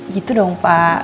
gitu dong pak